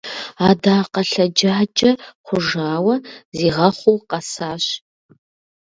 Адакъэ лъэджажэ хъужауэ, зигъэхъуу къэсащ!